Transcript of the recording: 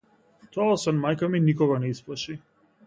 Тоа освен мајка ми никого не исплаши.